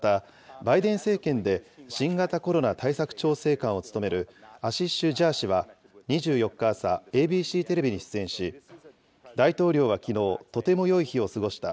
またバイデン政権で新型コロナ対策調整官を務めるアシシュ・ジャー氏は、２４日朝、ＡＢＣテレビに出演し、大統領はきのう、とてもよい日を過ごした。